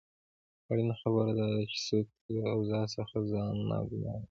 اړینه خبره داده چې څوک له اوضاع څخه ځان ناګومانه واچوي.